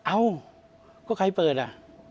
เอ้าก็ใครเปิดอ่ะ